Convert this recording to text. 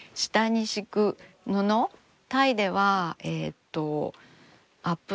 タイではえっとアップ